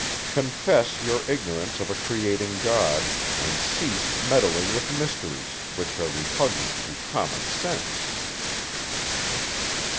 Confess, your ignorance of a creating God; and cease meddling with mysteries, which are repugnant to Common Sense.